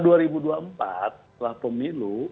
dua ribu dua puluh empat setelah pemilu